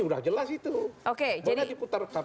sudah jelas itu